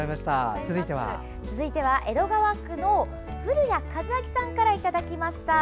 続いては江戸川区の古谷和明さんからいただきました。